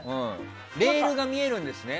レールが見えるんですね。